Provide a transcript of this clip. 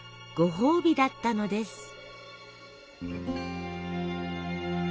「ごほうび」だったのです。